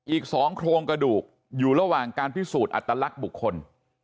อีก๒โครงกระดูกอยู่ระหว่างการพิสูจน์อัตลักษณ์บุคคล